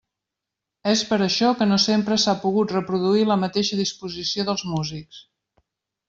És per això que no sempre s'ha pogut reproduir la mateixa disposició dels músics.